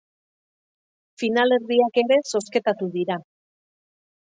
Finalerdiak ere zozketatu dira.